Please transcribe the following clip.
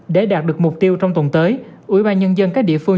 để đạt được mục tiêu trong tuần tới ủy ban nhân dân các địa phương